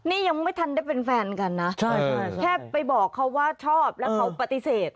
นี่ยังไม่ทันได้เป็นแฟนกันนะแค่ไปบอกเขาว่าชอบแล้วเขาปฏิเสธ